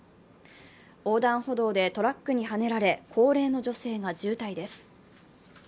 横断歩道でトラックにはねられ高齢の女性が重体です。